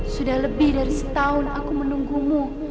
sudah lebih dari setahun aku menunggumu